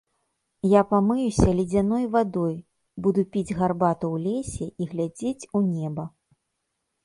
Я памыюся ледзяной вадой, буду піць гарбату ў лесе і глядзець у неба.